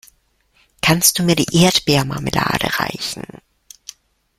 Kannst du mir die Erdbeermarmelade reichen?